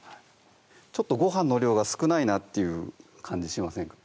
ちょっとご飯の量が少ないなっていう感じしませんか？